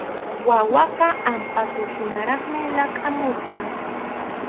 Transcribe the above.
Wawaqa hampʼatuhinaraqmi laqʼakamusqa.